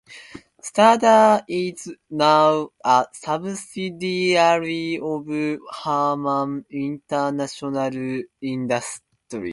Studer is now a subsidiary of Harman International Industries.